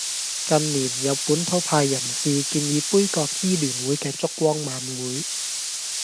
近年有本土派人士建議杯葛支聯會嘅燭光晚會